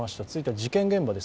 事件現場です。